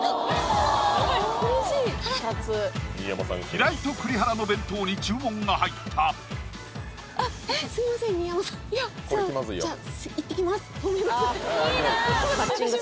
平井と栗原の弁当に注文が入ったすいません新山さん